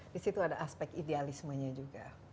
di situ ada aspek idealismenya juga